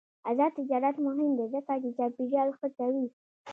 آزاد تجارت مهم دی ځکه چې چاپیریال ښه کوي.